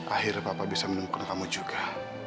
akhirnya papa bisa menekun kamu juga